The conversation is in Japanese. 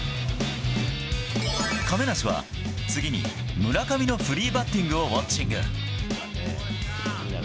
亀梨は次に、村上のフリーバッティングをウォッチング。